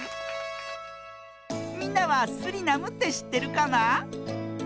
みんなはスリナムってしってるかな？